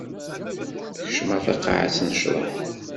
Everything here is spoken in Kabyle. Kecmeɣ taqaɛet n ccḍeḥ.